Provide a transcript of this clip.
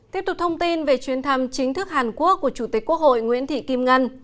tiếp tục thông tin về chuyến thăm chính thức hàn quốc của chủ tịch quốc hội nguyễn thị kim ngân